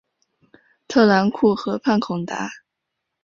特兰库河畔孔达。